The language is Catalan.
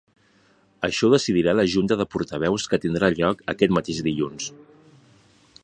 Així ho decidirà la junta de portaveus que tindrà lloc aquest mateix dilluns.